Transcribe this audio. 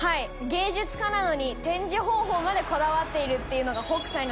芸術家なのに展示方法までこだわっているっていうのが。